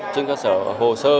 trên cơ sở hồ sơ